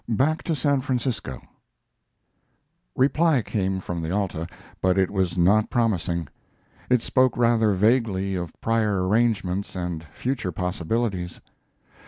BACK TO SAN FRANCISCO Reply came from the Alta, but it was not promising. It spoke rather vaguely of prior arrangements and future possibilities.